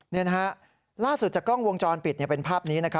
นี่นะฮะล่าสุดจากกล้องวงจรปิดเป็นภาพนี้